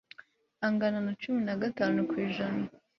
angana na cumi na gatanu ku ijana